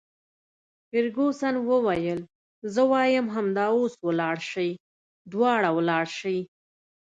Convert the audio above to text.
فرګوسن وویل: زه وایم همدا اوس ولاړ شئ، دواړه ولاړ شئ.